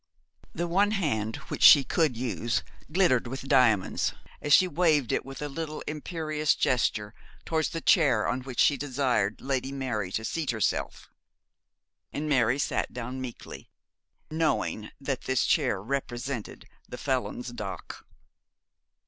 The one hand which she could use glittered with diamonds, as she waved it with a little imperious gesture towards the chair on which she desired Lady Mary to seat herself; and Mary sat down meekly, knowing that this chair represented the felon's dock.